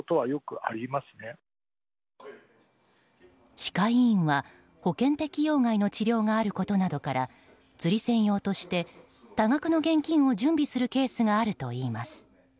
歯科医院は保険適用外の治療があることなどから釣り銭用として多額の現金を準備するケースがあるといいます。